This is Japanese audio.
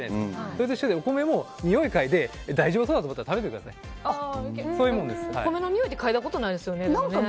それと一緒でお米もにおいかいで大丈夫そうだと思ったらお米のにおいって嗅いだことないですよね。